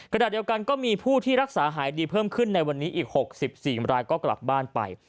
ขณะเดียวกันก็มีผู้ที่รักษาหายดีเพิ่มขึ้นในวันนี้อีก๖๔รายก็กลับบ้านไป